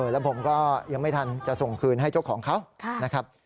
แล้วผมก็ยังไม่ทันจะส่งคืนให้เจ้าของเขานะครับ